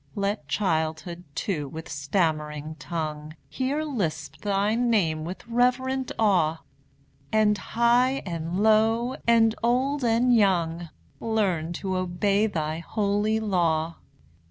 Let childhood, too, with stammering tongue, Here lisp thy name with reverent awe; And high and low, and old and young, Learn to obey thy holy law.